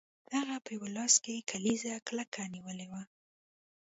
هغه په یو لاس کې کلیزه کلکه نیولې وه